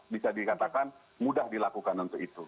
bisa dikatakan mudah dilakukan untuk itu